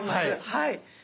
はい。